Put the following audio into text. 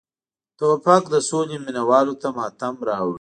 توپک د سولې مینه والو ته ماتم راوړي.